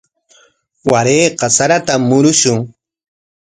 Warayqa saratam murumushun.